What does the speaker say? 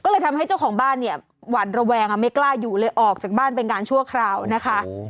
ก็เลยทำให้เจ้าของบ้านเนี่ยหวัดระแวงไม่กล้าอยู่เลยออกจากบ้านเป็นการชั่วคราวนะคะ